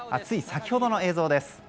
つい先ほどの映像です。